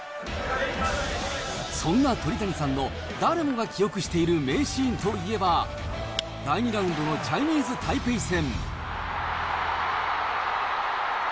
そんな鳥谷さんの誰もが記憶している名シーンといえば、第２ラウンドのチャイニーズ・タイペイ戦。